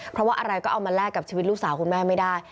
เพราะว่าอะไรก็เอามาแลกกับชีวิตลูกสาวคุณแม่ไม่ได้